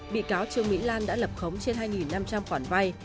bị cáo trương mỹ lan đã lập khống trên hai năm trăm linh khoản vay